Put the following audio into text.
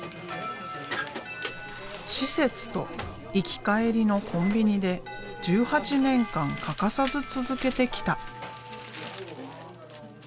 施設と行き帰りのコンビニで１８年間欠かさず続けてきた。